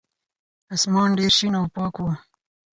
اسمان ډېر شین او پاک و.